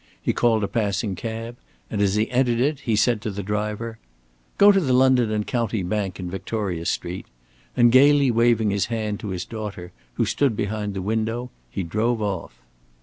He called a passing cab, and, as he entered it, he said to the driver: "Go to the London and County Bank in Victoria Street," and gaily waving his hand to his daughter, who stood behind the window, he drove off.